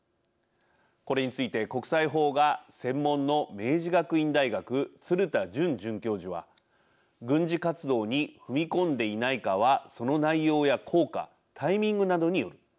これについて国際法が専門の明治学院大学鶴田順准教授は軍事活動に踏み込んでいないかはその内容や効果タイミングなどによる。